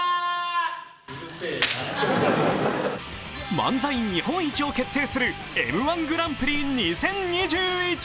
漫才日本一を決定するＭ−１グランプリ２０２１。